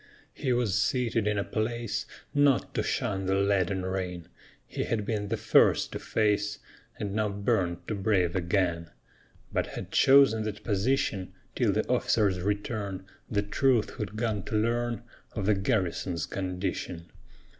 He was seated in a place, Not to shun the leaden rain He had been the first to face, And now burned to brave again, But had chosen that position Till the officer's return The truth who'd gone to learn Of the garrison's condition.